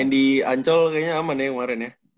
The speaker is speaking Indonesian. mandy ancol kayaknya aman ya yang kemarin ya